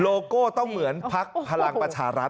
โก้ต้องเหมือนพักพลังประชารัฐ